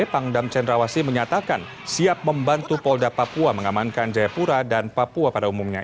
pangdam cendrawasi menyatakan siap membantu polda papua mengamankan jayapura dan papua pada umumnya